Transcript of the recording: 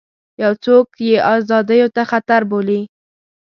یو څوک یې ازادیو ته خطر بولي.